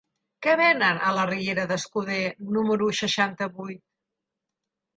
Què venen a la riera d'Escuder número seixanta-vuit?